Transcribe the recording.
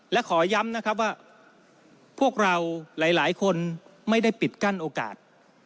และขอย้ำนะครับว่าพวกเราหลายคนไม่ได้ปิดกั้นโอกาส